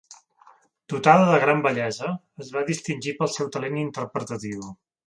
Dotada de gran bellesa, es va distingir pel seu talent interpretatiu.